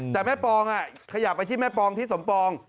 แต่แม่ปองขยับไปที่แม่ปองที่สมปอง